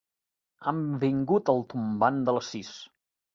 Han vingut al tombant de les sis.